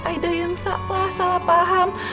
aida yang salah salah paham